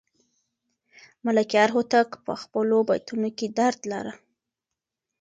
ملکیار هوتک په خپلو بیتونو کې درد لاره.